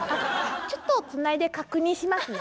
ちょっとつないで確認しますね。